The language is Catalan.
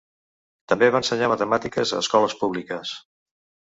També va ensenyar matemàtiques a escoles públiques.